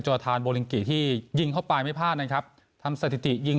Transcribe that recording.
อทานโบลิงกิที่ยิงเข้าไปไม่พลาดนะครับทำสถิติยิง